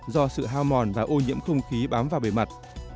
do sự hao mòn và ô nhiễm không khí bám vào bề mặt